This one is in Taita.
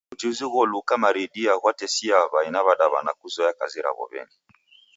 W'ujuzi gholuka maridia ghwatesiaa w'ai na w'adaw'ana kuzoya kazi raw'o w'eni.